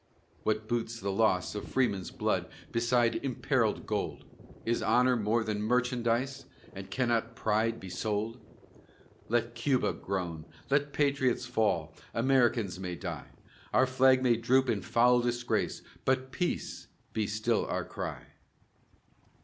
What boots the loss of freemen's blood Beside imperilled gold? Is honor more than merchandise? And cannot pride be sold? Let Cuba groan, let patriots fall; Americans may die; Our flag may droop in foul disgrace, But "Peace!" be still our cry.